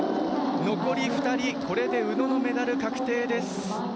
残り２人、これで宇野のメダル確定です。